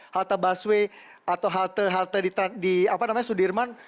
halte baswwe atau halte di sudirman